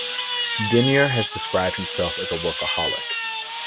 Denyer has described himself as a "Workaholic".